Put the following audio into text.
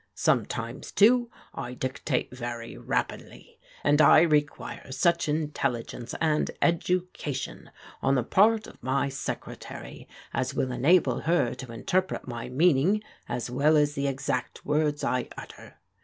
Sometimes, too, I dictate very rapidly, and I require such intelligence and education on the part of my secre tary as will enable her to interpret my meaning as well as the exact words I utter.